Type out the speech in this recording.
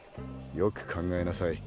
よく考えなさい。